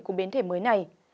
của biến thể mới này